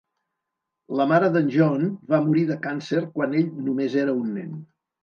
La mare d"en John va morir de càncer quan ell només era un nen.